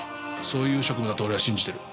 そういう職務だと俺は信じてる。